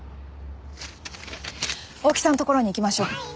大木さんのところに行きましょう。